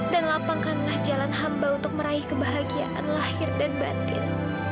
dan lapangkanlah jalan hamba untuk meraih kebahagiaan lahir dan batin